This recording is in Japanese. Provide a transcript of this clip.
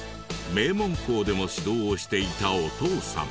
名門校でも指導をしていたお父さん。